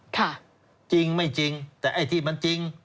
ค่ะจริงไม่จริงแต่ไอ้ที่มันจริง